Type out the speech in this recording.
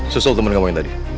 susul temen kamu yang tadi